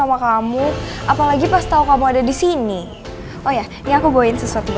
gapapa pansy aku kan kasih mau boin ini